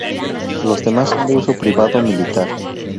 Los demás son de uso privado o militar.